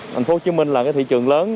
thành phố hồ chí minh là thị trường lớn